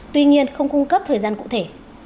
tuy nhiên không cung cấp thời gian cụ thể